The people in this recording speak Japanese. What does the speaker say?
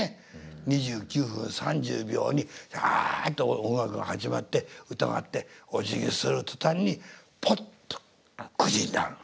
２９分３０秒にダッと音楽が始まって歌があっておじぎする途端にポンと９時になるの。